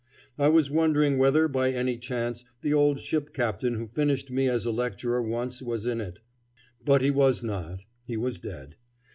I was wondering whether by any chance the old ship captain who finished me as a lecturer once was in it, but he was not; he was dead.